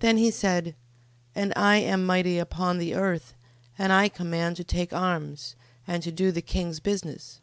15:5. Then he said: And I am mighty upon the earth, and I command to take arms, and to do the king's business.